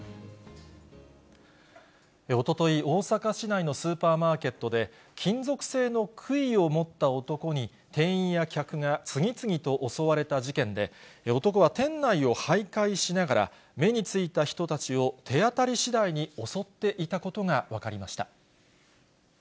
おととい、大阪市内のスーパーマーケットで、金属製のくいを持った男に、店員や客が次々と襲われた事件で、男は店内をはいかいしながら、目についた人たちを手当たりしだいに襲っていたことが分かりまし